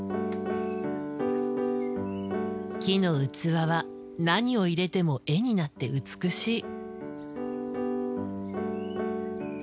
木の器は何を入れても絵になって美しい。